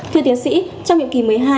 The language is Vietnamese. thưa tiến sĩ trong nhiệm kỳ một mươi hai